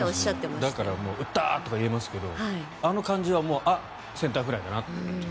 だから打った！って言えますけどあの感じはセンターフライだなっていう。